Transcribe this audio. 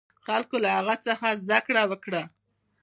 خلکو له هغه څخه زده کړه وکړه.